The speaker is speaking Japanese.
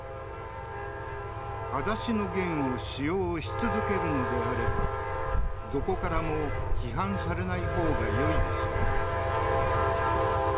「はだしのゲン」を使用し続けるのであればどこからも批判されない方がよいですよね」